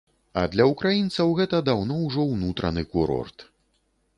А для ўкраінцаў гэта даўно ўжо ўнутраны курорт.